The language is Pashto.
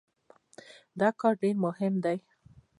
دا کار ډېر مهم دی.